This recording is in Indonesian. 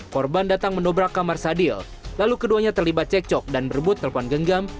korban datang menobrak kamar sadil lalu keduanya terlibat cekcok dan berbut telpon genggam